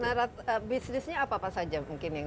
nah bisnisnya apa apa saja mungkin yang